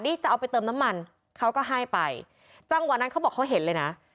นี่จะเอาไปเติมน้ำมันเขาก็ให้ไปจังหวะนั้นเขาบอกเขาเห็นเลยนะ